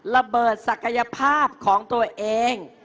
ระเบิดศักยภาพของตัวเอง